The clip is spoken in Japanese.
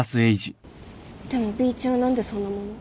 でもＢ一は何でそんなもの。